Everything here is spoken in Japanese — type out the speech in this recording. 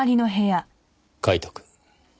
カイトくん。